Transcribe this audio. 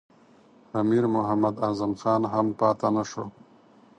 امیر محمد اعظم خان هم پاته نه شو.